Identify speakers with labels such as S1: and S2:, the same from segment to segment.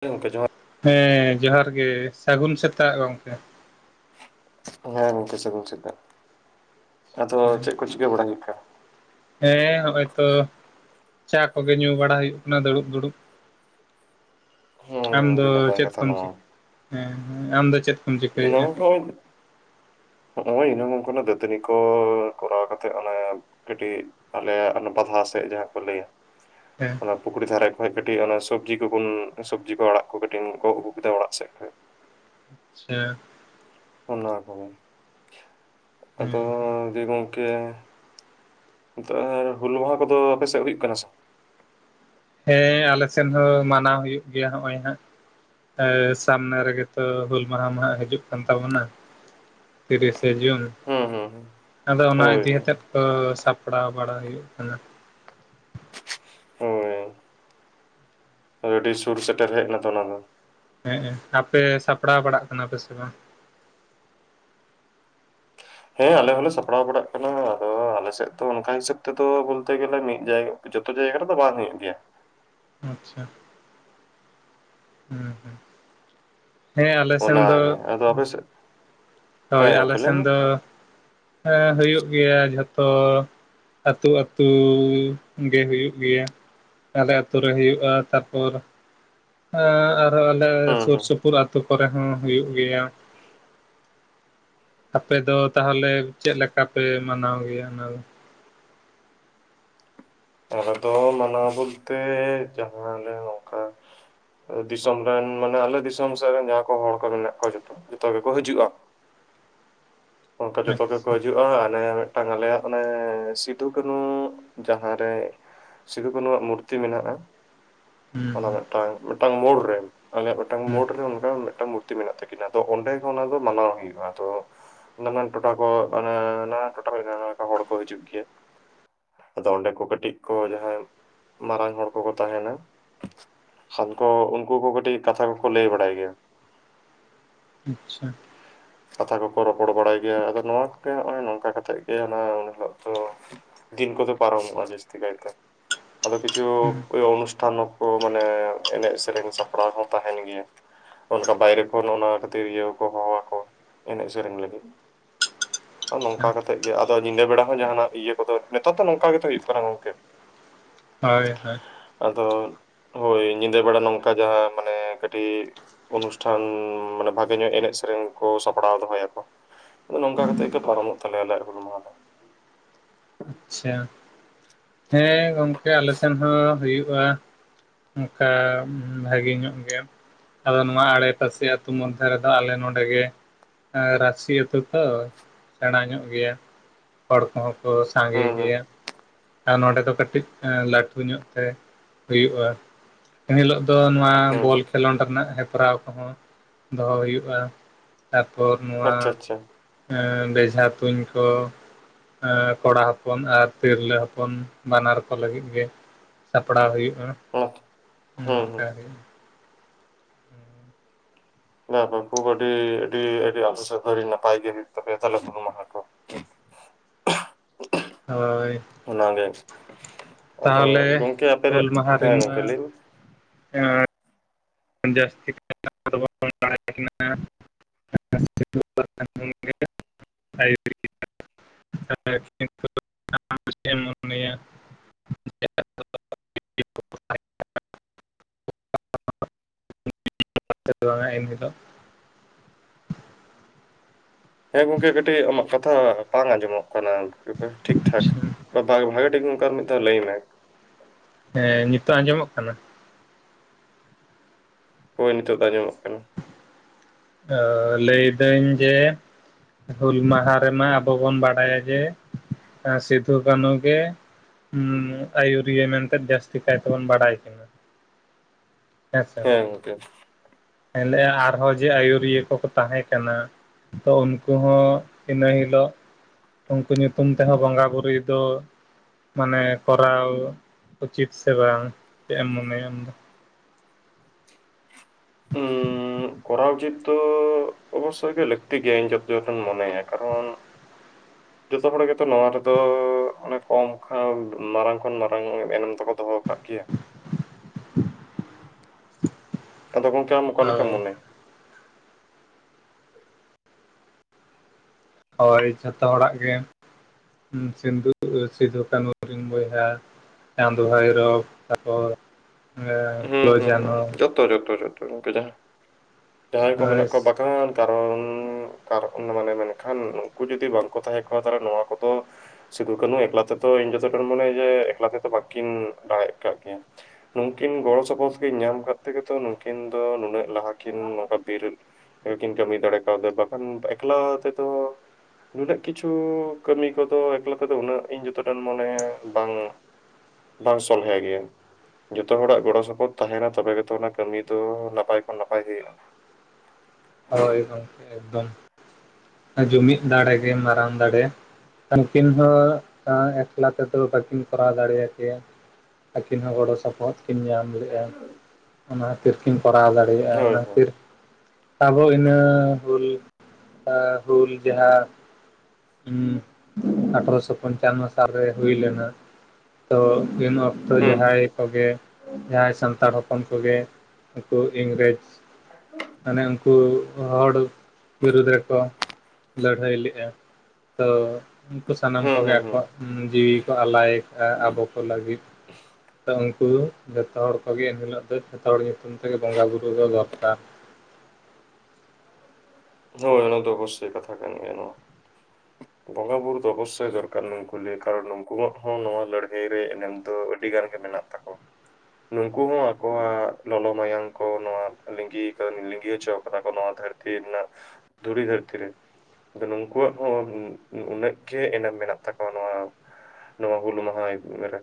S1: ᱦᱮ ᱜᱚᱝᱠᱮ ᱡᱚᱦᱟᱨ
S2: ᱦᱮᱸ ᱡᱚᱦᱟᱨ ᱜᱮ ᱥᱟᱹᱜᱩᱱ ᱥᱮᱛᱟᱜ ᱜᱚᱝᱠᱮ
S1: ᱦᱮᱸ ᱜᱚᱝᱠᱮ ᱥᱟᱸᱜᱩᱱ ᱥᱮᱛᱟᱜ ᱟᱫᱚ ᱪᱮᱫ ᱠᱚ ᱪᱤᱠᱟᱹ ᱵᱟᱲᱟᱭ ᱦᱩᱭᱩᱜ ᱠᱟᱱᱟ
S2: ᱦᱮᱸ ᱱᱚᱜᱼᱚᱭ ᱛᱚ ᱪᱟ ᱠᱚᱜᱮ ᱧᱩ ᱵᱟᱲᱟ ᱦᱩᱭᱩᱜ ᱠᱟᱱᱟ ᱫᱩᱲᱩᱵ ᱫᱩᱲᱩᱵ
S1: ᱦᱩᱸ
S2: ᱟᱢ ᱫᱚ
S1: ᱟᱹᱰᱤ ᱱᱟᱯᱟᱭ
S2: ᱪᱮᱫ
S1: ᱠᱟᱛᱷᱟ
S2: ᱠᱚᱢ
S1: ᱱᱚᱣᱟ
S2: ᱟᱢ ᱫᱚ ᱪᱮᱫ ᱠᱚᱢ ᱪᱤᱠᱟᱹᱭᱮᱫᱼᱟ
S1: [unintelligible] ᱱᱚᱜᱼᱚᱭ ᱤᱱᱟ ᱢᱩᱱ ᱠᱷᱚᱱᱟᱜ ᱫᱟᱹᱛᱟᱹᱱᱤ ᱠᱚ ᱠᱚᱨᱟᱣ ᱠᱟᱛᱮᱜ ᱚᱱᱟ ᱠᱟᱹᱴᱤᱡ ᱟᱞᱮᱭᱟᱜ ᱚᱱᱟ ᱵᱟᱫᱷᱟ ᱥᱮᱫ ᱡᱟᱦᱟᱸ ᱠᱚ ᱞᱟᱹᱭ
S2: [unintelligible]
S1: ᱚᱱᱟ ᱯᱩᱠᱷᱨᱤ ᱫᱷᱟᱨᱮ ᱠᱷᱚᱡ ᱠᱟᱹᱴᱤᱡ ᱚᱱᱟ ᱥᱚᱵᱽᱡᱤ ᱠᱚᱵᱩᱱ ᱥᱚᱵᱽᱡᱤ ᱠᱚ ᱟᱲᱟᱜ ᱠᱚ ᱠᱟᱴᱤᱡ ᱜᱚᱜ ᱟᱹᱜᱩ ᱠᱮᱫᱟ ᱚᱲᱟᱜ ᱥᱮᱫ ᱠᱷᱚᱡ
S2: [unintelligible]
S1: ᱚᱱᱟ ᱠᱚᱜᱮ
S2: ᱦᱮᱸ
S1: ᱟᱫᱚ
S2: ᱦᱮᱸ
S1: ᱫᱤ ᱜᱚᱝᱠᱮ ᱱᱤᱛᱚᱜ ᱟᱨ ᱦᱩᱞ ᱢᱟᱦᱟ ᱠᱚᱫᱚ ᱟᱯᱮᱥᱮᱫ ᱦᱩᱭᱩᱜ ᱠᱟᱱᱟ ᱥᱮ ᱵᱟᱝ
S2: ᱦᱮᱸ ᱟᱞᱮ ᱥᱮᱫ ᱦᱚᱸ ᱢᱟᱱᱟᱣ ᱦᱩᱭᱩᱜ ᱜᱮᱭᱟ ᱱᱚᱜᱼᱚᱭ ᱦᱟᱸᱜ ᱥᱟᱢᱱᱮ ᱨᱮᱜᱮ ᱛᱚ ᱦᱩᱞ ᱢᱟᱦᱟ ᱢᱟᱦᱟᱜ ᱦᱤᱡᱩᱜ ᱠᱟᱱ ᱛᱟᱵᱚᱱᱟ ᱛᱤᱨᱤᱥᱮ ᱡᱩᱱ
S1: ᱦᱩᱸ ᱦᱩᱸ ᱦᱩᱸ
S2: ᱟᱫᱚ ᱚᱱᱟ
S1: ᱦᱳᱭ
S2: ᱤᱫᱤ ᱟᱛᱮᱫ ᱠᱚ ᱥᱟᱯᱲᱟᱣ ᱵᱟᱲᱟ ᱦᱩᱭᱩᱜ ᱠᱟᱱᱟ
S1: ᱦᱳᱭ ᱟᱹᱰᱤ ᱥᱩᱨ ᱥᱮᱴᱮᱨ ᱦᱮᱡ ᱱᱟᱛᱚ ᱚᱱᱟ ᱢᱟ
S2: ᱦᱮᱸ ᱟᱯᱮ ᱥᱟᱯᱲᱟᱣ ᱵᱟᱲᱟᱜ ᱠᱟᱱᱟ ᱯᱮ ᱥᱮ ᱵᱟᱝ
S1: ᱦᱮᱸ ᱟᱞᱮ ᱦᱚᱸᱞᱮ ᱥᱟᱯᱲᱟᱣ ᱵᱟᱲᱟᱜ ᱠᱟᱱᱟ ᱟᱫᱚ ᱟᱞᱮᱥᱮᱫ ᱫᱚ ᱚᱱᱠᱟ ᱦᱤᱥᱟᱹᱵ ᱛᱮᱫᱚ ᱵᱚᱞᱛᱮ ᱜᱮᱞᱮ ᱢᱤᱫ ᱡᱟᱭᱜᱟ ᱡᱚᱛᱚ ᱡᱟᱭᱜᱟ ᱨᱮᱫᱚ ᱵᱟᱝ ᱦᱩᱭᱩᱜ ᱜᱮᱭᱟ
S2: ᱟᱪᱪᱷᱟ ᱦᱩᱸᱦᱩ ᱦᱮ ᱟᱞᱮ ᱥᱮᱱ ᱫᱚ
S1: ᱚᱱᱟᱜᱮ ᱟᱫᱚ ᱟᱯᱮ ᱥᱮᱫ ᱦᱮᱸ
S2: ᱦᱳᱭ
S1: ᱜᱚᱝᱠᱮ
S2: ᱟᱞᱮ
S1: ᱞᱟᱹᱭ
S2: ᱥᱮᱱ
S1: ᱢᱮ
S2: ᱫᱚ ᱦᱩᱭᱩᱜ ᱜᱮᱭᱟ ᱡᱷᱚᱛᱚ ᱟᱹᱛᱩ ᱟᱹᱛᱩ ᱜᱮ ᱦᱩᱭᱩᱜ ᱜᱮᱭᱟ ᱟᱞᱮ ᱟᱛᱩᱨᱮ ᱦᱩᱭᱩᱜᱼᱟ ᱛᱟᱨᱯᱚᱨ ᱟᱨ ᱟᱞᱮ
S1: ᱦᱩᱸ
S2: ᱥᱩᱨ
S1: ᱦᱩᱸ
S2: ᱥᱩᱯᱩᱨ ᱟᱹᱛᱩ ᱠᱚᱨᱮ ᱦᱚᱸ ᱦᱩᱭᱩᱜ ᱜᱮᱭᱟ ᱟᱯᱮ ᱫᱚ ᱛᱟᱦᱚᱞᱮ ᱪᱮᱫ ᱞᱮᱠᱟ ᱯᱮ ᱢᱟᱱᱟᱣ ᱜᱮᱭᱟ ᱚᱱᱟ ᱫᱚ
S1: ᱟᱞᱮ ᱫᱚ ᱢᱟᱱᱟᱣ ᱵᱚᱞᱛᱮ ᱡᱟᱦᱟᱸᱞᱮ ᱚᱝᱠᱟ ᱫᱤᱥᱚᱢ ᱨᱮᱱ ᱢᱟᱱᱮ ᱟᱞᱮ ᱫᱤᱥᱚᱢ ᱥᱮᱫ ᱨᱮᱱ ᱡᱟᱦᱟᱸ ᱠᱚ ᱦᱚᱲ ᱠᱚ ᱢᱮᱱᱟᱜ ᱠᱚᱣᱟ ᱡᱷᱚᱛᱚ ᱡᱷᱚᱛᱚ ᱜᱮᱠᱚ ᱦᱤᱡᱩᱜᱼᱟ ᱚᱱᱠᱟ ᱡᱚᱛᱚ ᱜᱮᱠᱚ
S2: ᱟᱪᱪᱷᱟ
S1: ᱦᱤᱡᱩᱜᱼᱟ ᱚᱱᱮ ᱢᱤᱫᱴᱟᱝ ᱟᱞᱮᱭᱟᱜ ᱚᱱᱮ ᱥᱤᱫᱩ ᱠᱟᱱᱩ ᱡᱟᱦᱟᱸ ᱥᱤᱫᱩ ᱠᱟᱱᱩ ᱟᱜ ᱢᱩᱨᱛᱤ ᱢᱮᱱᱟᱜᱼᱟ
S2: ᱦᱩᱸ
S1: ᱚᱱᱟ ᱢᱤᱫᱴᱟᱝ ᱢᱤᱫᱴᱟᱝ ᱢᱳᱲ ᱨᱮᱱ ᱟᱞᱮᱭᱟᱜ ᱢᱤᱫᱴᱟᱝ
S2: ᱦᱩᱸ
S1: ᱢᱳᱲ ᱨᱮ ᱚᱱᱠᱟ ᱢᱤᱫᱟᱝ ᱛᱤ ᱢᱮᱱᱟᱜ ᱛᱟᱹᱠᱤᱱᱟ ᱟᱫᱚ ᱚᱸᱰᱮ ᱜᱮ ᱚᱱᱟ ᱫᱚ ᱢᱟᱱᱟᱣ ᱦᱩᱭᱩᱜᱼᱟ ᱟᱫᱚ ᱱᱟᱱᱟᱱ ᱴᱚᱴᱷᱟ ᱠᱚ ᱢᱟᱱᱮ ᱱᱟᱱᱟᱱ ᱴᱚᱴᱷᱟ ᱱᱟᱱᱟᱠᱟ ᱦᱚᱲ ᱠᱚ ᱦᱤᱡᱩᱜ ᱜᱮᱭᱟ ᱟᱫᱚ ᱚᱸᱰᱮ ᱠᱚ ᱠᱟᱹᱴᱤᱡ ᱠᱚ ᱡᱟᱦᱟᱸᱭ ᱢᱟᱨᱟᱝ ᱦᱚᱲ ᱠᱚᱠᱚ ᱛᱟᱦᱮᱸᱱᱟ ᱦᱟᱞᱠᱚ ᱩᱱᱠᱩ ᱠᱚ ᱠᱟᱹᱴᱤᱡ ᱠᱟᱛᱷᱟ ᱠᱚᱠᱚ ᱞᱟᱹᱭ ᱵᱟᱲᱟᱭ ᱜᱮᱭᱟ
S2: ᱟᱪᱪᱷᱟ
S1: [unintelligible] ᱠᱟᱛᱷᱟ ᱠᱚᱠᱚ ᱨᱚᱯᱚᱲ ᱵᱟᱲᱟᱭ ᱜᱮᱭᱟ ᱟᱫᱚ ᱱᱚᱣᱟ ᱠᱚᱜᱮ ᱱᱚᱜᱼᱚᱭ ᱱᱚᱝᱠᱟ ᱠᱟᱛᱮᱜ ᱜᱮ ᱚᱱᱟ ᱩᱱ ᱦᱤᱞᱳᱜ ᱫᱚ ᱫᱤᱱ ᱠᱚᱫᱚ ᱯᱨᱚᱢᱚᱜ-ᱟ ᱡᱟᱹᱥᱛᱤ ᱠᱟᱭᱛᱮ ᱟᱫᱚ ᱠᱤᱪᱷᱩ ᱳᱭ ᱚᱱᱩᱥᱴᱷᱟᱱ ᱠᱚ ᱢᱟᱱᱮ ᱮᱱᱮᱡ ᱥᱮᱨᱮᱧ ᱥᱟᱯᱲᱟᱣ ᱦᱚᱸ ᱛᱟᱦᱮᱱ ᱜᱮᱭᱟ ᱚᱱᱠᱟ ᱵᱟᱭᱨᱮ ᱠᱷᱚᱱ ᱚᱱᱟ ᱠᱷᱟᱹᱛᱤᱨ ᱤᱭᱟᱹ ᱠᱚ ᱦᱚᱦᱚ ᱟᱠᱚᱣᱟ ᱮᱱᱮᱢ ᱥᱮᱨᱮᱧ ᱞᱟᱹᱜᱤᱫ
S2: ᱟᱪᱪᱷᱟ
S1: ᱱᱚᱝᱠᱟ ᱠᱟᱛᱮ ᱜᱮ ᱟᱫᱚ ᱧᱤᱫᱟᱹ ᱵᱮᱲᱟ ᱦᱚᱸ ᱡᱟᱦᱟᱱᱟᱜ ᱤᱭᱟᱹ ᱠᱚᱫᱚ ᱱᱤᱛᱟᱨᱜ ᱫᱚ ᱱᱚᱝᱠᱟ ᱜᱮᱛᱚ ᱦᱩᱭᱩᱜ ᱠᱟᱱᱟ [unintelligible]
S2: ᱦᱳᱭ ᱦᱳᱭ
S1: ᱟᱫᱚ ᱦᱳᱭ ᱧᱤᱫᱟᱹ ᱵᱮᱲᱟ ᱱᱚᱝᱠᱟ ᱡᱟᱦᱟᱸ ᱢᱟᱱᱮ ᱠᱟᱹᱴᱤᱡ ᱚᱱᱩᱥᱴᱷᱟᱱ ᱢᱟᱱᱮ ᱵᱷᱟᱜᱮ ᱧᱚᱜ ᱮᱱᱮᱡ ᱥᱮᱨᱮᱧ ᱠᱚ ᱥᱟᱯᱲᱟᱣ ᱫᱚᱦᱚᱭᱟ ᱠᱚ ᱱᱚᱝᱠᱟ ᱠᱟ ᱠᱟᱛᱮ ᱜᱮ ᱯᱟᱨᱚᱢᱚᱜ ᱛᱟᱞᱮᱭᱟ ᱟᱞᱮᱭᱟᱜ ᱦᱩᱞ ᱢᱟᱦᱟ ᱫᱚ
S2: ᱟᱪᱪᱷᱟ ᱦᱮᱸ ᱜᱚᱝᱠᱮ ᱟᱞᱮ ᱥᱮᱱ ᱦᱚᱸ ᱦᱩᱭᱩᱜᱼᱟ ᱚᱱᱠᱟ ᱵᱷᱟᱜᱮ ᱧᱚᱜ ᱜᱮ ᱟᱫᱚ ᱱᱚᱣᱟ ᱟᱲᱮ ᱯᱟᱥᱮ ᱟᱹᱛᱩ ᱢᱚᱫᱽᱫᱷᱮ ᱨᱮᱫᱚ ᱟᱞᱮ ᱱᱚᱰᱮ ᱜᱮ ᱟᱨ ᱨᱟᱹᱥᱤ ᱟᱹᱛᱩ ᱛᱚ ᱥᱮᱬᱟ ᱧᱚᱜ ᱜᱮᱭᱟ ᱦᱚᱲ ᱠᱚᱦᱚᱸ ᱠᱚ ᱥᱟᱸᱜᱮ
S1: ᱦᱩᱸ ᱦᱩᱸ
S2: ᱜᱮᱭᱟ ᱟᱨ ᱱᱚᱰᱮ ᱫᱚ ᱠᱟᱹᱴᱤᱡ ᱞᱟᱹᱴᱩ ᱧᱚᱜ ᱛᱮ ᱦᱩᱭᱩᱜᱼᱟ ᱮᱱ ᱦᱤᱞᱳᱜ ᱫᱚ ᱱᱚᱣᱟ
S1: ᱦᱩᱸ
S2: ᱵᱚᱞ ᱠᱷᱮᱞᱳᱰ ᱨᱮᱱᱟᱜ ᱦᱮᱯᱨᱟᱣ ᱠᱚᱦᱚᱸ ᱫᱚᱦᱚ ᱦᱩᱭᱩᱜᱼᱟ ᱛᱟᱯᱚᱨ ᱱᱚᱣᱟ
S1: ᱟᱪᱪᱷᱟ ᱟᱪᱪᱷᱟ
S2: ᱵᱮᱡᱷᱟ ᱛᱩᱧ ᱠᱚ ᱠᱚᱲᱟ ᱦᱚᱯᱚᱱ ᱟᱨ ᱛᱤᱨᱞᱟᱹ ᱦᱚᱯᱚᱱ ᱵᱟᱱᱟᱨ ᱠᱚ ᱞᱟᱹᱜᱤᱫ ᱜᱮ ᱥᱟᱯᱲᱟᱣ ᱦᱩᱭᱩᱜᱼᱟ
S1: ᱦᱩᱸ
S2: ᱚᱱᱠᱟ
S1: ᱦᱩᱸ
S2: ᱦᱩᱭᱩᱜᱼᱟ
S1: ᱠᱷᱩᱵ ᱟᱹᱰᱤ ᱟᱹᱰᱤ ᱟᱹᱰᱤ ᱱᱟᱯᱟᱭ ᱜᱮ ᱦᱩᱭᱩᱜ ᱛᱟᱯᱮ ᱛᱟᱦᱞᱮ ᱦᱩᱞ ᱢᱟᱦᱟ ᱠᱚ [unintelligible]
S2: ᱦᱳᱭ
S1: ᱚᱱᱟᱜᱮ ᱟᱫᱚ
S2: ᱛᱟᱦᱚᱞᱮ
S1: ᱜᱚᱢᱠᱮ ᱟᱯᱮ
S2: ᱦᱩᱞ ᱢᱟᱦᱟ
S1: ᱦᱮᱸ
S2: ᱨᱮᱢᱟ
S1: ᱜᱚᱢᱠᱮ ᱞᱟᱹᱭᱢᱮ
S2: [unintelligible] [unintelligible] [unintelligible] [unintelligible] [unintelligible] [unintelligible]
S1: ᱦᱮᱸ ᱜᱚᱝᱠᱮ ᱠᱟᱹᱴᱤᱡ ᱟᱢᱟᱜ ᱠᱟᱛᱷᱟ ᱵᱟᱝ ᱟᱸᱡᱚᱢᱚᱜ ᱠᱟᱱᱟ ᱴᱷᱤᱠ ᱴᱷᱟᱠ ᱵᱷᱟᱜᱮ ᱴᱷᱤᱠ ᱜᱚᱝᱠᱮ ᱟᱨ ᱢᱤᱫ ᱫᱷᱟᱣ ᱞᱟᱹᱭ ᱢᱮ᱾
S2: ᱦᱮᱸ ᱱᱤᱛᱚᱜ ᱟᱸᱡᱚᱢᱚᱜ ᱠᱟᱱᱟ?
S1: ᱦᱳᱭ ᱱᱤᱛᱳᱜ ᱫᱚ ᱟᱸᱡᱚᱢᱚᱜ ᱠᱟᱱᱟ᱾
S2: ᱟᱹᱻ ᱞᱟᱹᱭᱫᱟᱹᱧ ᱡᱮ ᱦᱩᱞ ᱢᱟᱦᱟ ᱨᱮᱢᱟ ᱟᱵᱚ ᱵᱚᱱ ᱵᱟᱲᱟᱭᱟ ᱡᱮ ᱥᱤᱫᱷᱩ ᱠᱟᱹᱱᱩ ᱜᱮ ᱦᱩᱸ ᱟᱭᱩᱨᱤᱭᱟᱹ ᱢᱮᱱᱛᱮ ᱡᱟᱹᱥᱛᱤ ᱠᱟᱭ ᱛᱮᱵᱚᱱ ᱵᱟᱰᱟᱭ ᱠᱤᱱᱟ᱾
S1: ᱦᱮᱸ ᱜᱚᱝᱠᱮ᱾
S2: ᱟᱨᱦᱚᱸ ᱡᱮ ᱟᱭᱩᱨᱤᱭᱟᱹ ᱠᱚᱠᱚ ᱛᱟᱦᱮᱸ ᱠᱟᱱᱟ, ᱛᱚ ᱩᱱᱠᱩ ᱦᱚᱸ ᱤᱱᱟᱹ ᱦᱤᱞᱳ ᱩᱱᱠᱩ ᱧᱩᱛᱩᱢ ᱛᱮᱦᱚᱸ ᱵᱚᱸᱜᱟ ᱵᱩᱨᱩᱭ ᱫᱚ ᱢᱟᱱᱮ ᱠᱚᱨᱟᱣ ᱩᱪᱤᱛ ᱥᱮ ᱵᱟᱝ, ᱪᱮᱫ ᱮᱢ ᱢᱚᱱᱮᱭᱟ ᱟᱢᱫᱚ?
S1: ᱩᱸᱻ ᱠᱚᱨᱟᱣ ᱩᱪᱤᱛ ᱫᱚᱻ ᱚᱵᱚᱥᱥᱳᱭ ᱜᱮ ᱞᱟᱹᱠᱛᱤ ᱜᱮᱭᱟ ᱤᱧ ᱡᱚᱛᱚᱴᱟᱧ ᱢᱚᱱᱮᱭᱟ, ᱠᱟᱨᱚᱱ [inaudible] ᱡᱷᱚᱛᱚ ᱦᱚᱲ ᱜᱮᱛᱚ ᱱᱚᱣᱟ ᱨᱮᱫᱚ ᱚᱱᱮ ᱠᱚᱢ ᱠᱷᱚᱱ ᱢᱟᱨᱟᱝ ᱠᱷᱚᱱ ᱢᱟᱨᱟᱝ ᱮᱱᱮᱢ ᱫᱚᱠᱚ ᱫᱚᱦᱚ ᱟᱠᱟᱫ ᱜᱮᱭᱟ᱾ ᱟᱫᱚ ᱜᱚᱢᱠᱮ ᱟᱢ ᱞᱮᱠᱟᱢ
S2: ᱦᱳᱭ
S1: ᱢᱚᱱᱮ?
S2: ᱦᱳᱭ ᱡᱷᱚᱛᱚ ᱦᱚᱲᱟᱜ ᱜᱮ, ᱥᱤᱫᱷᱩ ᱠᱟᱱᱩ ᱟᱹᱠᱤᱱ ᱵᱚᱭᱦᱟ, ᱪᱟᱸᱫ ᱵᱷᱟᱭᱨᱚᱵ ᱛᱟᱯᱚᱨ ᱯᱷᱩᱞᱚ ᱡᱷᱟᱱᱚ
S1: ᱴᱚᱨᱮ ᱴᱚᱨᱮ ᱜᱚᱝᱠᱮ ᱡᱟᱦᱟᱸ ᱡᱟᱦᱟᱸᱭ ᱠᱚ
S2: ᱦᱳᱭ
S1: ᱢᱮᱱᱟᱜ ᱠᱚᱣᱟ ᱵᱟᱜᱟᱱ ᱠᱟᱨᱚᱱ ᱠᱟᱨᱚᱱ ᱢᱟᱱᱮ ᱢᱮᱱᱠᱷᱟᱱ ᱩᱱᱩᱠᱩ ᱡᱩᱫᱤ ᱵᱟᱝᱠᱚ ᱛᱟᱦᱮᱸ ᱠᱚᱜᱼᱟ ᱛᱟᱦᱞᱮ ᱱᱚᱣᱟ ᱠᱚᱫᱚ ᱥᱤᱫᱷᱩ ᱠᱟᱹᱱᱩ ᱮᱠᱞᱟ ᱛᱮᱫᱚ ᱤᱧ ᱡᱚᱛᱚᱴᱟᱧ ᱢᱚᱱᱮᱭᱟ ᱡᱮ ᱮᱠᱞᱟ ᱛᱮᱫᱚ ᱵᱟᱹᱠᱤᱱ ᱫᱟᱲᱮ ᱠᱟᱫ ᱠᱮᱭᱟ᱾ ᱩᱱᱩᱠᱤᱱ ᱜᱚᱲᱚ ᱥᱚᱯᱚᱦᱚᱫ ᱠᱤᱱ ᱧᱟᱢ ᱠᱟ ᱛᱮᱜᱛᱚ ᱱᱩᱠᱤᱱ ᱫᱚ ᱱᱩᱱᱟᱹᱜ ᱞᱟᱦᱟᱠᱤᱱ ᱱᱚᱝᱠᱟ ᱵᱤᱨ ᱠᱤᱱ ᱠᱟᱹᱢᱤ ᱫᱟᱲᱮ ᱠᱟᱣᱫᱟ, ᱵᱟᱠᱷᱟᱱ ᱮᱠᱞᱟ ᱛᱮᱫᱚ ᱱᱩᱱᱟᱹᱜ ᱠᱤᱪᱷᱩ ᱠᱟᱹᱢᱤ ᱠᱚᱫᱚ ᱮᱠᱞᱟ ᱛᱮᱫᱚ ᱫᱚ ᱩᱱᱟᱹᱜ ᱤᱧ ᱡᱚᱛᱚᱴᱟᱧ ᱢᱚᱱᱮ ᱵᱟᱝ ᱵᱟᱝ ᱥᱚᱦᱞᱮ ᱜᱮᱭᱟ᱾ ᱡᱷᱚᱛᱚ ᱦᱚᱲᱟᱜ ᱜᱚᱲᱚ ᱥᱚᱯᱚᱦᱚᱫ ᱛᱟᱦᱮᱱᱟ ᱛᱚᱵᱮᱜᱮᱛᱚ ᱚᱱᱟ ᱠᱟᱹᱢᱤ ᱫᱚ ᱱᱟᱯᱟᱭ ᱠᱷᱚᱱ ᱱᱟᱯᱟᱭ ᱜᱮ ᱦᱳᱭᱳᱜᱼᱟ᱾
S2: ᱦᱳᱭ ᱦᱳᱭ ᱮᱠᱫᱚᱢ, ᱡᱩᱢᱤᱫ ᱫᱟᱲᱮᱜ ᱜᱮ ᱢᱟᱨᱟᱝ ᱫᱟᱲᱮ᱾ ᱩᱱᱠᱤᱱ ᱦᱚᱸ ᱮᱠᱞᱟ ᱛᱮᱫᱚ ᱵᱟᱹᱠᱤᱱ ᱠᱚᱨᱟᱣ ᱫᱟᱲᱮᱭᱟᱜ ᱠᱮᱭᱟ᱾ ᱟᱹᱠᱤᱱ ᱦᱚᱸ ᱜᱚᱲᱚ ᱥᱚᱯᱚᱦᱚᱫ ᱠᱤᱱ ᱧᱟᱢ ᱫᱟᱹᱲᱮᱜᱼᱟ ᱚᱱᱟ ᱠᱷᱟᱛᱤᱨ ᱠᱤᱱ ᱠᱚᱨᱟᱣ ᱫᱟᱲᱮᱭᱟᱜᱼᱟ,
S1: ᱦᱳᱭ
S2: ᱚᱱᱟ
S1: ᱦᱳᱭ ᱦᱩᱸ
S2: ᱠᱷᱟᱹᱛᱤᱨ ᱟᱵᱚ ᱤᱱᱟᱹ ᱦᱩᱞ ᱟᱼ ᱦᱩᱞ ᱡᱟᱦᱟᱸ ᱦᱩᱸ ᱟᱴᱷᱨᱚᱥᱚ ᱯᱚᱧᱪᱟᱱᱱᱚ ᱥᱟᱞ ᱨᱮ ᱦᱩᱭᱞᱱᱟ, ᱛᱚ ᱩᱱ ᱚᱠᱛᱚ
S1: ᱦᱩᱸ
S2: ᱡᱟᱦᱟᱸᱭ ᱠᱚᱜᱮ ᱡᱟᱦᱟᱸᱭ ᱥᱟᱱᱛᱟᱲ ᱦᱚᱯᱚᱱ ᱠᱚᱜᱮ ᱩᱱᱠᱩ ᱤᱝᱨᱮᱡᱽ ᱢᱟᱱᱮ ᱩᱱ ᱠᱩ ᱦᱚᱲ ᱵᱤᱨᱩᱫᱽ ᱨᱮᱠᱚ ᱞᱟᱹᱲᱦᱟᱹᱭ ᱞᱮᱜᱼᱟ᱾ ᱛᱚ ᱩᱱᱠᱩ ᱥᱟᱱᱟᱢ ᱠᱚᱜᱮ ᱟᱠᱚᱣᱟᱜ ᱡᱤᱣᱤ ᱠᱚ ᱟᱞᱟᱭ ᱠᱟᱜᱼᱟ ᱟᱵᱚ ᱠᱚ ᱞᱟᱹᱜᱤᱫ ᱛᱚ ᱩᱱᱠᱩ ᱫᱚ ᱡᱷᱚᱛᱚ ᱦᱚᱲ ᱠᱚᱜᱮ ᱮᱱᱦᱤᱞᱳᱜ ᱫᱚ ᱡᱷᱚᱛᱚ ᱦᱚᱲ ᱧᱩᱛᱩᱢ ᱛᱮᱜᱮ ᱵᱚᱸᱜᱟ ᱵᱩᱨᱩ ᱫᱚ ᱫᱚᱨᱠᱟᱨ ᱾
S1: ᱦᱳᱭ ᱚᱱᱟ ᱫᱚ ᱚᱵᱚᱥᱥᱳᱭ ᱠᱟᱛᱷᱟ ᱠᱟᱱ ᱜᱮᱭᱟ ᱱᱚᱣᱟ᱾ ᱵᱚᱸᱜᱟ ᱵᱳᱨ ᱫᱚ ᱚᱵᱚᱥᱥᱳᱭ ᱫᱚᱨᱠᱟᱨ ᱱᱩᱝᱠᱩ ᱞᱤᱭᱟᱹ ᱠᱟᱨᱚᱱ ᱱᱩᱝᱠᱩᱣᱟᱜ ᱦᱚᱸ ᱱᱚᱣᱟ ᱞᱟᱹᱲᱦᱟᱹᱭ ᱨᱮ ᱮᱱᱮᱢ ᱫᱚ ᱟᱹᱰᱤ ᱜᱟᱱ ᱜᱮ ᱢᱮᱱᱟᱜ ᱛᱟᱠᱚ ᱱᱩᱝᱠᱩ ᱦᱚᱸ ᱟᱠᱚᱣᱟᱜ ᱞᱚᱞᱚ ᱢᱟᱭᱟᱝ ᱠᱚ ᱱᱚᱣᱟ ᱞᱤᱜᱤ ᱠᱟᱱ ᱞᱤᱸᱜᱤ ᱦᱚᱪᱚ ᱟᱠᱟᱫᱟ ᱠᱚ ᱱᱚᱣᱟ ᱫᱷᱟᱹᱨ ᱛᱤ ᱨᱮᱱᱟᱜ ᱫᱷᱩᱲᱤ ᱫᱷᱟᱹᱨᱛᱤ ᱨᱮ, ᱟᱫᱚ ᱱᱩᱝᱠᱩᱣᱟᱜ ᱦᱚᱸ ᱩᱱᱟᱹᱜ ᱜᱮ ᱮᱱᱮᱢ ᱢᱮᱱᱟᱜ ᱛᱟᱠᱚᱣᱟ ᱱᱚᱣᱟ ᱱᱚᱣᱟ ᱦᱩᱞ ᱢᱟᱦᱟᱭ ᱨᱮ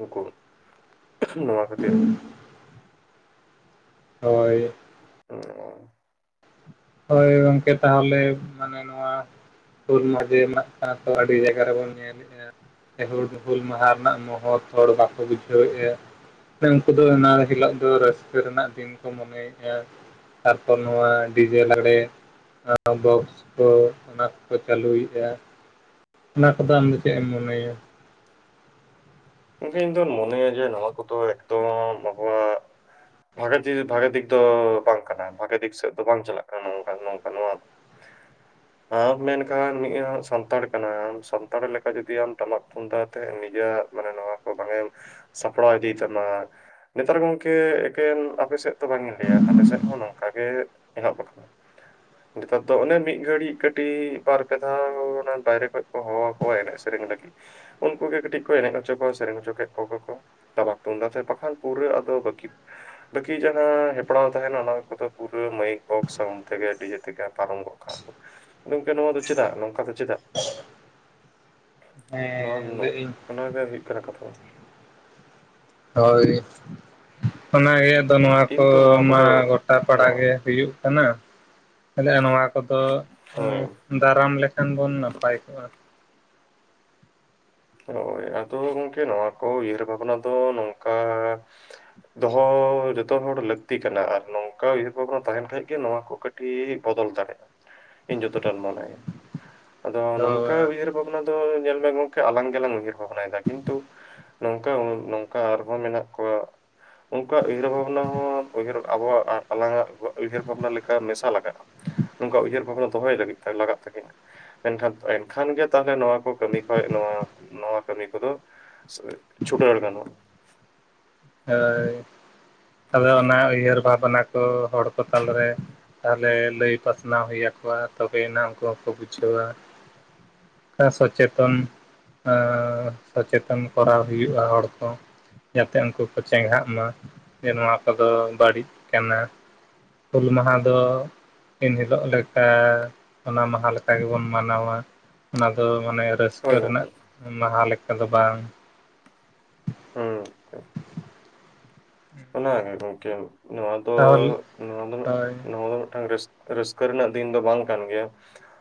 S1: ᱩᱱᱠᱩ ᱱᱚᱣᱟ ᱠᱷᱟᱹᱛᱤᱨ
S2: [unintelligible] ᱦᱳᱭ
S1: [unintelligible]
S2: ᱦᱳᱭ ᱜᱚᱝᱠᱮ ᱛᱟᱦᱚᱞᱮ ᱢᱟᱱᱮ ᱱᱚᱣᱟ ᱦᱩᱞ ᱢᱟᱦᱟ ᱡᱮ ᱢᱟᱱᱟᱜ ᱠᱚᱱᱟ ᱛᱚ ᱟᱹᱰᱤ ᱵᱷᱮᱜᱟᱨ ᱵᱤᱱ ᱧᱮᱞᱮᱼᱟ ᱦᱮᱸ ᱦᱩᱞ ᱦᱩᱞ ᱢᱟᱦᱟ ᱨᱮᱱᱟᱜ ᱢᱚᱦᱚᱛ ᱦᱚᱲ ᱵᱟᱠᱚ ᱵᱩᱡᱷᱟᱹᱣ ᱮᱫᱼᱟ ᱢᱟᱱᱮ ᱩᱱᱠᱩ ᱫᱚ ᱚᱱᱟ ᱦᱤᱞᱚᱜ ᱫᱚ ᱨᱟᱹᱥᱠᱟᱹ ᱨᱮᱱᱟᱜ ᱫᱤᱱ ᱠᱚ ᱢᱚᱱᱮᱭᱮᱫᱼᱟ ᱛᱟᱨᱯᱚᱨ ᱱᱚᱣᱟ ᱰᱤᱡᱮ ᱞᱟᱜᱽᱲᱮ ᱱᱚᱣᱟ ᱵᱚᱠᱥ ᱠᱚ ᱚᱱᱟ ᱠᱚ ᱠᱚ ᱪᱟᱹᱞᱩᱭᱮᱼᱟ ᱚᱱᱟ ᱠᱚᱫᱚ ᱟᱢᱫᱚ ᱪᱮᱫ ᱮᱢ ᱢᱚᱱᱮᱭᱟ
S1: ᱤᱧ ᱫᱚᱧ ᱢᱚᱱᱮᱭᱟ ᱡᱮ ᱱᱚᱣᱟ ᱠᱚᱫᱚ ᱮᱠᱫᱚᱢ ᱟᱵᱚᱣᱟᱜ [unintelligible] ᱵᱷᱟᱜᱮ ᱫᱤᱠ ᱵᱷᱟᱜᱮ ᱫᱤᱠ ᱫᱚ ᱵᱟᱝ ᱠᱟᱱᱟ ᱵᱷᱟᱜᱮ ᱫᱤᱠ ᱥᱮᱫ ᱫᱚ ᱵᱟᱝ ᱪᱟᱞᱟᱜ ᱠᱟᱱᱟ ᱱᱚᱝᱠᱟ ᱱᱚᱝᱠᱟ ᱱᱚᱣᱟ ᱫᱚ [inaudible] ᱟᱢ ᱢᱮᱱᱠᱷᱟᱱ [unintelligible] ᱥᱟᱱᱛᱟᱲ ᱠᱟᱱᱟᱢ ᱥᱟᱱᱛᱟᱲ ᱞᱮᱠᱟ ᱡᱩᱫᱤ ᱟᱢ ᱴᱟᱢᱟᱠ ᱛᱩᱢᱫᱟᱜ ᱛᱮ ᱱᱤᱡᱟᱜ ᱢᱟᱱᱮ ᱱᱚᱣᱟ ᱠᱚ ᱵᱟᱝᱮᱢ ᱥᱟᱯᱲᱟᱣ ᱤᱫᱤᱭ ᱛᱟᱢᱟ ᱱᱮᱛᱟᱨ ᱜᱚᱝᱠᱮ ᱮᱠᱮᱱ ᱟᱯᱮᱥᱮᱫ [unintelligible] ᱵᱟᱝᱤᱧ ᱞᱟᱹᱭᱟ ᱟᱞᱮ ᱥᱮᱫ ᱦᱚᱸ ᱱᱚᱝᱠᱟ ᱜᱮ ᱮᱦᱚᱵ ᱟᱠᱟᱱᱟ ᱱᱮᱛᱟᱨ ᱫᱚ ᱚᱱᱮ ᱢᱤᱫ ᱜᱷᱟᱹᱲᱤ ᱠᱟᱹᱴᱤᱡ ᱵᱟᱨ ᱯᱮ ᱫᱷᱟᱣ ᱚᱱᱟ ᱵᱟᱦᱨᱮ ᱠᱷᱚᱡ ᱦᱚᱦᱚᱣᱟ ᱠᱚᱣᱟ ᱮᱱᱮᱡ ᱥᱮᱨᱮᱧ ᱞᱟᱹᱜᱤᱫ ᱩᱱᱠᱩᱜᱮ ᱠᱟᱹᱴᱤᱡ ᱮᱱᱮᱡ ᱦᱚᱪᱚ ᱠᱚᱣᱟ ᱥᱮᱨᱮᱧ ᱦᱚᱪᱚ ᱠᱮᱫ ᱠᱚᱣᱟ ᱠᱚ ᱴᱟᱢᱟᱠ ᱛᱩᱢᱫᱟ ᱵᱟᱠᱷᱟᱱ ᱯᱩᱨᱟᱹ ᱟᱫᱚ ᱵᱟᱠᱤ- ᱵᱟᱹᱠᱤ ᱡᱟᱦᱟᱸ ᱦᱮᱯᱨᱟᱣ ᱛᱟᱦᱮᱱᱟ ᱚᱱᱟ ᱠᱚᱫᱚ ᱯᱩᱨᱟᱹ ᱢᱟᱹᱭᱤᱠ ᱵᱚᱠᱥ ᱥᱟᱶᱩᱰ ᱛᱮᱜᱮ ᱰᱤᱡᱮ ᱛᱮᱜᱮ ᱯᱟᱨᱚᱢ ᱜᱚᱜ ᱠᱟᱜᱼᱟ ᱠᱚ ᱜᱚᱝᱠᱮ ᱱᱚᱣᱟ ᱫᱚ ᱪᱮᱫᱟᱜ ᱱᱚᱝᱠᱟ ᱫᱚ ᱪᱮᱫᱟᱜ
S2: ᱦᱮᱸ ᱞᱟᱹᱭ ᱤᱧ
S1: ᱚᱱᱟ ᱜᱮ ᱦᱩᱭᱩᱜ ᱠᱟᱱᱟ ᱠᱟᱛᱷᱟ ᱫᱚ
S2: ᱦᱳᱭ ᱚᱱᱟᱜᱮ ᱟᱫᱚ ᱱᱚᱣᱟ
S1: ᱤᱧ ᱛᱚ ᱱᱚᱣᱟ
S2: ᱠᱚᱢᱟ
S1: ᱠᱚᱫᱚ
S2: ᱜᱚᱴᱟ ᱯᱟᱲᱟ ᱜᱮ
S1: ᱦᱚᱸ
S2: ᱦᱩᱭᱩᱜ ᱠᱟᱱᱟ [unintelligible] ᱱᱚᱣᱟ ᱠᱚᱫᱚ
S1: ᱦᱳᱭ
S2: ᱫᱟᱨᱟᱢ ᱞᱮᱠᱷᱟᱱ ᱵᱚᱱ ᱱᱟᱯᱟᱭ ᱠᱚᱜᱼᱟ
S1: ᱦᱳᱭ ᱟᱫᱚ ᱜᱚᱝᱠᱮ ᱱᱚᱣᱟ ᱠᱚ ᱩᱭᱦᱟᱹᱨ ᱵᱷᱟᱵᱽᱱᱟ ᱫᱚ ᱱᱚᱝᱠᱟ ᱫᱚᱦᱚ ᱡᱚᱛᱦᱚᱲ ᱞᱟᱹᱠᱛᱤ ᱠᱟᱱᱟ ᱟᱨ ᱱᱚᱝᱠᱟ ᱩᱭᱦᱟᱹᱨ ᱵᱷᱟᱵᱽᱱᱟ ᱛᱟᱦᱮᱱ ᱠᱷᱟᱡ ᱜᱮ ᱱᱚᱣᱟ ᱠᱚ ᱠᱟᱹᱴᱤᱡ [unintelligible] ᱵᱚᱫᱚᱞ ᱫᱟᱲᱮᱭᱟᱜᱼᱟ ᱤᱧ ᱡᱚᱛᱚᱴᱟᱱ ᱢᱚᱱᱮ ᱟᱫᱚ ᱱᱚᱝᱠᱟ
S2: ᱦᱳᱭ
S1: ᱩᱭᱦᱟᱹᱨ ᱵᱷᱟᱵᱽᱱᱟ ᱫᱚ ᱧᱮᱞ ᱢᱮ ᱜᱚᱢᱠᱮ ᱟᱞᱟᱝ ᱜᱮᱞᱟᱝ ᱩᱭᱦᱟᱹᱨ ᱵᱷᱟᱵᱽᱱᱟ ᱭᱮᱫᱟ ᱠᱤᱱᱛᱩ ᱱᱚᱝᱠᱟ ᱱᱚᱝᱠᱟ ᱟᱨᱦᱚᱸ ᱢᱮᱱᱟᱜ ᱠᱚᱣᱟ ᱩᱱᱠᱩᱣᱟᱜ ᱩᱭᱦᱟᱹᱨ ᱵᱷᱟᱵᱽᱱᱟ ᱦᱚᱸ ᱩᱭᱦᱟᱹᱨ ᱟᱵᱚᱣᱟᱜ ᱟᱞᱟᱝᱟᱜ ᱩᱭᱦᱟᱹᱨ ᱵᱷᱟᱵᱽᱱᱟ ᱞᱮᱠᱟ ᱢᱮᱥᱟ ᱞᱟᱜᱟᱜᱼᱟ ᱱᱚᱝᱠᱟ ᱩᱭᱦᱟᱹᱨ ᱵᱷᱟᱵᱽᱱᱟ ᱫᱚᱦᱚᱭ ᱞᱟᱹᱜᱤᱫ ᱛᱮ ᱞᱟᱜᱟᱜ ᱛᱟᱹᱠᱤᱱᱟ ᱢᱮᱱᱠᱷᱟᱱ ᱮᱱᱠᱷᱟᱱ ᱜᱮ ᱛᱟᱦᱚᱞᱮ ᱱᱚᱣᱟ ᱠᱚ ᱠᱟᱹᱢᱤ ᱦᱳᱭ ᱱᱚᱣᱟ ᱱᱚᱣᱟ ᱠᱟᱹᱢᱤ ᱠᱚᱫᱚ ᱪᱷᱩᱵᱟᱹᱨ ᱜᱟᱱᱚᱜᱼᱟ᱾
S2: ᱦᱳᱭ ᱟᱫᱚ ᱚᱱᱟ ᱩᱭᱦᱟᱹᱨ ᱵᱷᱟᱵᱽᱱᱟ ᱠᱚ ᱦᱚᱲ ᱠᱚ ᱛᱟᱞᱟ ᱨᱮ ᱛᱟᱦᱚᱞᱮ ᱞᱟᱹᱭ ᱯᱟᱥᱱᱟᱣ ᱦᱩᱭ ᱟᱠᱚᱣᱟ ᱛᱚᱵᱮᱭᱱᱟ ᱩᱱᱠᱩ ᱦᱚᱸᱠᱚ ᱵᱩᱡᱷᱟᱹᱣᱟ᱾ [unintelligible] ᱥᱚᱪᱮᱛᱚᱱ ᱟᱸ ᱥᱚᱪᱮᱛᱚᱱ ᱠᱚᱨᱟᱣ ᱦᱩᱭᱩᱜᱼᱟ ᱦᱚᱲ ᱠᱚ᱾ ᱡᱟᱛᱮ ᱩᱱᱠᱩ ᱠᱚ ᱪᱮᱸᱜᱷᱟᱜ ᱢᱟ ᱡᱮ ᱱᱚᱣᱟ ᱠᱚᱫᱚ ᱵᱟᱹᱲᱤᱡ ᱠᱟᱱᱟ᱾ ᱦᱩᱞ ᱢᱟᱦᱟ ᱫᱚ ᱫᱤᱱ ᱦᱤᱞᱳᱜ ᱞᱮᱠᱟ ᱚᱱᱟ ᱢᱟᱦᱟ ᱞᱮᱠᱟ ᱜᱮᱵᱚᱱ ᱢᱟᱱᱟᱣᱟ ᱚᱱᱟ ᱫᱚ ᱢᱟᱱᱮ ᱨᱟᱹᱥᱠᱟᱹ
S1: ᱦᱳᱭ ᱜᱚᱝᱠᱮ
S2: ᱨᱮᱱᱟᱜ ᱢᱟᱦᱟ ᱞᱮᱠᱟ ᱫᱚ ᱵᱟᱝ᱾
S1: ᱦᱩᱸ ᱚᱱᱟᱜᱮ ᱜᱚᱝᱠᱮ ᱱᱚᱣᱟ ᱫᱚ
S2: ᱛᱟᱦᱚᱞᱮ
S1: ᱱᱚᱣᱟ ᱫᱚ
S2: ᱦᱳᱭ
S1: ᱱᱚᱣᱟ ᱫᱚ ᱢᱤᱫᱴᱟᱝ ᱨᱟᱹᱥᱠᱟ. ᱨᱟᱹᱥᱠᱟᱹ ᱨᱮᱱᱟᱜ ᱫᱤᱱ ᱫᱚ ᱵᱟᱝ ᱠᱟᱱ ᱜᱮᱭᱟ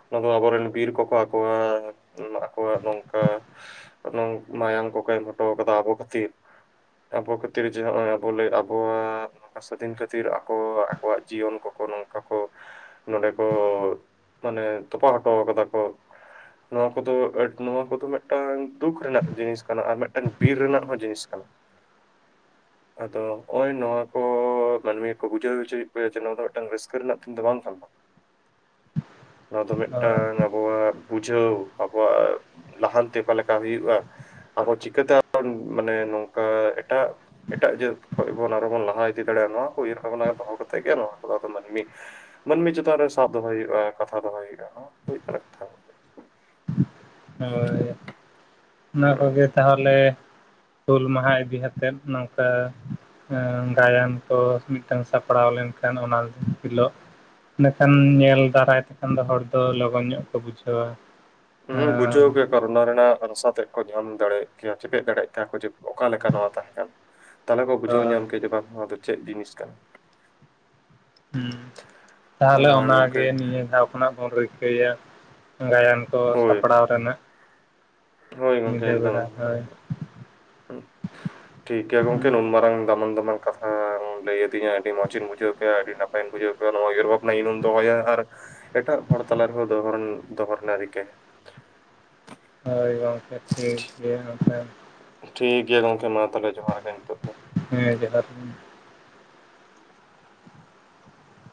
S1: ᱱᱚᱣᱟ ᱫᱚ ᱟᱵᱚᱨᱮᱱ ᱵᱤᱨ ᱠᱚᱠᱚ ᱟᱠᱚᱣᱟᱜ ᱱᱚᱣᱟ ᱟᱠᱚᱣᱟᱜ ᱱᱚᱝᱠᱟ [unintelligible] ᱢᱟᱭᱟᱝ ᱠᱚᱠᱚ ᱮᱢ ᱦᱚᱴᱚ ᱠᱟᱫᱟ ᱟᱵᱚ ᱠᱷᱟᱛᱤᱨ ᱟᱵᱚ ᱠᱷᱟᱹᱛᱤᱨ ᱡᱮ ᱱᱚᱜᱚᱭ ᱵᱚᱞᱮ ᱟᱵᱚᱣᱟᱜ ᱱᱚᱝᱠᱟ ᱥᱟᱹᱫᱷᱤᱱ ᱠᱷᱟᱹᱛᱤᱨ ᱟᱠᱚ ᱟᱠᱚᱣᱟᱜ ᱡᱤᱭᱚᱱ ᱠᱚᱠᱚ ᱱᱚᱝᱠᱟ ᱠᱚ ᱱᱚᱰᱮ ᱠᱚ ᱢᱟᱱᱮ ᱛᱚᱯᱟ ᱦᱚᱴᱚ ᱠᱟᱫᱟ ᱠᱚ ᱱᱚᱣᱟ ᱠᱚᱫᱚ ᱟᱰ ᱱᱚᱣᱟ ᱠᱚᱫᱚ ᱢᱤᱫᱴᱟᱝ ᱫᱩᱠ ᱨᱮᱱᱟᱜ ᱡᱤᱱᱤᱥ ᱠᱟᱱᱟ ᱟᱨ ᱢᱤᱫᱴᱮᱱ ᱰᱤᱨ ᱨᱮᱱᱟᱜ ᱦᱚᱸ ᱡᱤᱱᱤᱥ ᱠᱟᱱᱟ᱾ ᱟᱫᱚ ᱚᱭ ᱱᱚᱣᱟ ᱠᱚ᱾ ᱢᱟᱹᱱᱢᱤ ᱠᱚ ᱵᱩᱡᱷᱟᱹᱣ ᱦᱚᱪᱚᱭᱮᱫ ᱠᱚᱣᱟ ᱡᱮ ᱱᱚᱣᱟ ᱫᱚ ᱢᱤᱫᱴᱟᱝ ᱨᱟᱹᱥᱠᱟᱹ ᱨᱮᱱᱟᱜ ᱫᱤᱱ ᱫᱚ ᱵᱟᱝ ᱠᱟᱱ ᱫᱚ ᱱᱚᱣᱟ ᱫᱚ
S2: ᱦᱳᱭ
S1: ᱢᱤᱫᱴᱟᱝ ᱟᱵᱚᱣᱟᱜ ᱵᱩᱡᱷᱟᱹᱣ ᱟᱵᱚᱣᱟᱜ ᱞᱟᱦᱟᱱᱛᱤ ᱚᱠᱟ ᱞᱮᱠᱟ ᱦᱩᱭᱩᱜᱼᱟ᱾ ᱟᱵᱚ ᱪᱤᱠᱟᱹᱛᱮ [unintelligible] ᱢᱟᱱᱮ ᱱᱚᱝᱠᱟ ᱮᱴᱟᱜ ᱮᱴᱟᱜ ᱡᱟᱹᱛ ᱠᱷᱚᱡ ᱵᱚᱱ ᱟᱨ ᱵᱚᱱ ᱞᱟᱦᱟ ᱤᱫᱤ ᱫᱟᱲᱮᱭᱟᱜᱼᱟ ᱱᱚᱣᱟ ᱠᱚ ᱩᱭᱦᱟᱹᱨ ᱵᱷᱟᱵᱽᱱᱟ ᱫᱚᱦᱚ ᱠᱟᱛᱮᱫ ᱜᱮ ᱱᱚᱣᱟ ᱠᱚᱫᱚ ᱢᱟᱹᱱᱢᱤ ᱢᱟᱹᱱᱢᱤ ᱪᱮᱛᱟᱱ ᱨᱮ ᱥᱟᱵ ᱫᱚᱦᱚᱭ ᱦᱩᱭᱩᱜᱼᱟ ᱠᱟᱛᱷᱟ ᱫᱚᱦᱚᱭ ᱦᱩᱭᱩᱜᱼᱟ ᱱᱚᱣᱟ ᱠᱚ ᱦᱩᱭᱩᱜ ᱠᱟᱱᱟ ᱠᱟᱛᱷᱟ
S2: ᱦᱳᱭ ᱚᱱᱟ ᱠᱚᱜᱮ ᱛᱟᱦᱚᱞᱮ ᱦᱩᱞ ᱢᱟᱦᱟ ᱤᱫᱤ ᱠᱟᱛᱮᱫ ᱱᱚᱝᱠᱟ ᱜᱟᱭᱟᱱ ᱠᱚ ᱢᱤᱫᱴᱟᱱ ᱥᱟᱯᱲᱟᱣ ᱞᱮᱱᱠᱷᱟᱱ ᱚᱱᱟ ᱢᱤᱫ ᱫᱤᱱ ᱦᱤᱞᱳᱜ ᱢᱤᱫᱴᱟᱝ ᱧᱮᱞ ᱫᱟᱨᱟᱭ ᱛᱮᱠᱷᱟᱱ ᱫᱚ ᱦᱚᱲ ᱫᱚ ᱞᱚᱜᱚᱱ ᱧᱚᱜ ᱠᱚ ᱵᱩᱡᱷᱟᱹᱣᱟ᱾
S1: ᱦᱩᱸ
S2: ᱦᱮᱸ
S1: ᱵᱩᱡᱷᱟᱹᱣ ᱜᱮ᱾ ᱟᱨ ᱚᱱᱟ ᱨᱮᱱᱟᱜ ᱨᱟᱥᱟ ᱛᱮᱫ ᱠᱚ ᱧᱟᱢ ᱫᱟᱲᱮᱭᱟᱜ ᱠᱮᱭᱟ ᱪᱮᱯᱮᱫ ᱫᱟᱲᱮᱭᱟᱜ ᱠᱮᱭᱟ ᱠᱚ ᱡᱮ ᱚᱠᱟ ᱞᱮᱠᱟ ᱱᱚᱣᱟ ᱛᱟᱦᱮᱸ ᱠᱟᱱᱟ᱾ ᱛᱟᱦᱚᱞᱮ ᱠᱚ ᱵᱩᱡᱷᱟᱹᱣ
S2: ᱦᱳᱭ
S1: ᱧᱟᱢ ᱠᱮᱭᱟ ᱡᱮ ᱵᱟᱝ ᱱᱚᱣᱟ ᱫᱚ ᱪᱮᱫ ᱡᱤᱱᱤᱥ ᱠᱟᱱᱟ᱾
S2: ᱦᱮᱸ ᱛᱟᱦᱞᱮ ᱚᱱᱟᱜᱮ ᱱᱤᱭᱟᱹ ᱫᱷᱟᱣ ᱠᱷᱚᱱᱟᱜ ᱵᱚᱱ ᱨᱤᱠᱟᱹᱭᱟ᱾ ᱜᱟᱭᱟᱱ ᱠᱚ
S1: ᱦᱳᱭ
S2: ᱥᱟᱯᱲᱟᱣ ᱨᱮᱱᱟᱜ
S1: ᱦᱳᱭ ᱜᱚᱢᱠᱮ
S2: ᱧᱤᱫᱟᱹ
S1: ᱮᱠᱫᱚᱢ
S2: ᱵᱮᱲᱟ ᱦᱳᱭ
S1: ᱮᱠᱫᱚᱢ᱾ ᱦᱩ ᱴᱷᱤᱠ ᱜᱮᱭᱟ ᱜᱚᱝᱠᱮ ᱱᱩᱱ ᱢᱟᱨᱟᱝ ᱫᱟᱢᱟᱱ ᱫᱟᱢᱟᱱ ᱠᱟᱛᱷᱟᱢ‌ ᱞᱟᱹᱭ ᱟᱹᱫᱤ ᱫᱤᱧᱟ ᱟᱹᱰᱤ ᱢᱚᱸᱡᱽᱤᱧ ᱵᱩᱡᱷᱣ ᱠᱮᱜ-ᱟ ᱟᱹᱰᱤ ᱱᱟᱯᱟᱭᱤᱧ ᱵᱩᱡᱷᱟᱹᱣ ᱠᱮᱫ-ᱟ‌ ᱱᱚᱣᱟ ᱩᱭᱦᱟᱹᱨ ᱵᱷᱟᱵᱽᱱᱟ ᱡᱩᱫᱤᱢ ᱫᱚᱦᱚᱭᱟ ᱟᱨ ᱮᱴᱟᱜ ᱦᱚᱲ ᱛᱟᱞᱟ ᱨᱮ ᱦᱚᱸ ᱫᱚᱦᱚ ᱫᱚᱦᱚ ᱨᱮᱱᱟᱜ ᱨᱤᱠᱟᱹᱭ ᱢᱮ᱾
S2: ᱦᱳᱭ ᱜᱚᱝᱠᱮ ᱴᱷᱤᱠ ᱜᱮᱭᱟ
S1: ᱴᱷᱤᱠᱜᱮᱭᱟ ᱜᱚᱝᱠᱮ ᱢᱟ ᱛᱟᱦᱚᱞᱮ ᱡᱚᱦᱟᱨ ᱜᱮ ᱱᱤᱛᱚᱜ ᱫᱚ᱾
S2: ᱦᱮᱸ ᱡᱚᱦᱟᱨ ᱜᱮ᱾